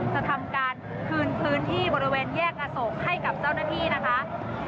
จะทำการคืนพื้นที่บริเวณแยกอโศกให้กับเจ้าหน้าที่นะคะ